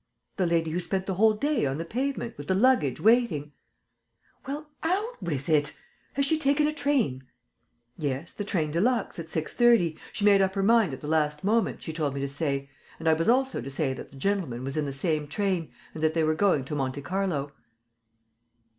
"The lady who spent the whole day on the pavement, with the luggage, waiting." "Well, out with it! Has she taken a train?" "Yes, the train de luxe, at six thirty: she made up her mind at the last moment, she told me to say. And I was also to say that the gentleman was in the same train and that they were going to Monte Carlo."